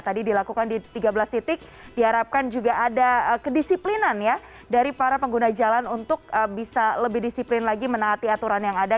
tadi dilakukan di tiga belas titik diharapkan juga ada kedisiplinan ya dari para pengguna jalan untuk bisa lebih disiplin lagi menaati aturan yang ada